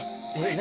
何？